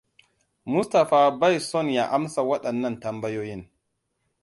Mustapha bai son ya amsa waɗannan tambayoyin.